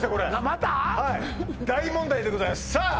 大問題でございますさあ